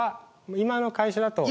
今の会社だと。